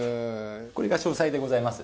これが詳細でございます